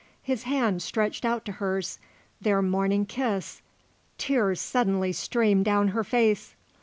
His hand stretched out to hers; their morning kiss. Tears suddenly streamed down her face.